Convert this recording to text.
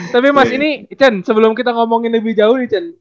tapi mas ini ichen sebelum kita ngomongin lebih jauh nih ichen